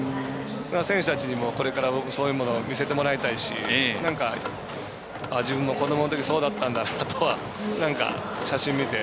選手たちにもこれから、そういうものを見せてもらいたいし自分も子どもの頃はそうだったんだとは、写真見て。